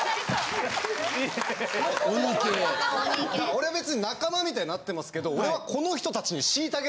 俺は別に仲間みたいになってますけど俺は。